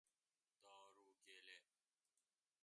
دارو گله